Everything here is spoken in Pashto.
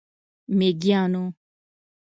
میږیانو،